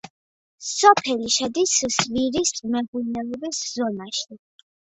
სოფელი შედის სვირის მეღვინეობის ზონაში.